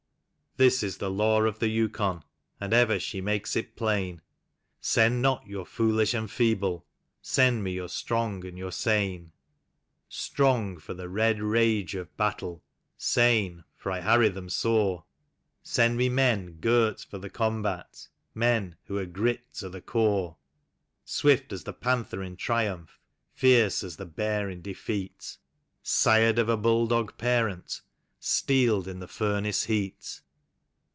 This is the law of the Yukon, and ever she makes it plain: " Send not your foolish and feeble ; send me your strong and your sane. Strong for the red rage of battle ; sane, for I harry them sore; Send me men girt for the combat, men who are grit to the core; Swift as the panther in triumph, fierce as the bear in defeat. Sired of a bulldog parent, steeled in the furnace heat.